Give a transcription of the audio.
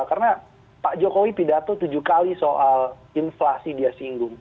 karena pak jokowi pidato tujuh kali soal inflasi dia singgung